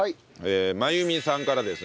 真由美さんからですね。